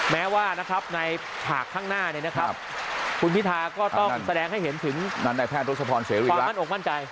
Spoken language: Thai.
แม้ว่านะครับในผากข้างหน้าเนี่ยนะครับคุณพิธาก็ต้องแสดงให้เห็นถึงความมั่นออกมั่นใจ